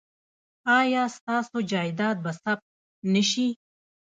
ایا ستاسو جایداد به ثبت نه شي؟